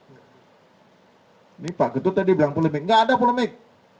ini pak getut tadi bilang polemik nggak ada polemik